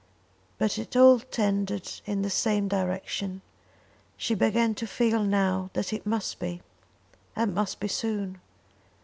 But it all tended in the same direction. She began to feel now that it must be, and must be soon.